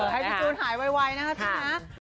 ให้พี่จูนหายไวนะคะพี่นะ